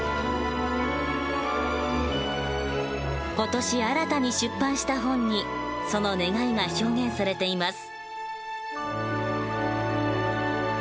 今年新たに出版した本にその願いが表現されています。